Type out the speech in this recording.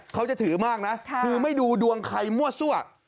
เขาจะถือมากนะคือไม่ดูดวงใครมั่วซั่ว